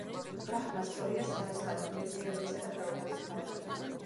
ბრაჰმას ცოლია სარასვატი, მეცნიერებისა და ხელოვნების ქალღმერთი.